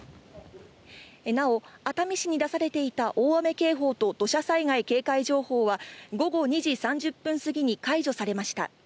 なお、熱海市に出されていた大雨警報と土砂災害警戒情報は、午後２時３０分過ぎに解除されました。